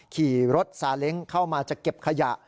ขี่รถซาเล้งเข้ามาจะเก็บขยะ